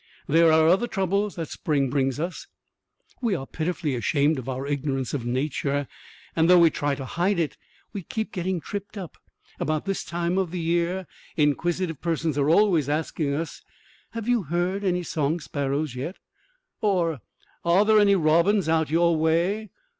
There are other troubles that spring brings us. We are pitifully ashamed of our ignorance Of nature, and though we try to hide it we keep getting tripped up. About this time of year inquisitive persons are always asking us: "Have you heard any song sparrows yet?" or "Are there any robins out your way?"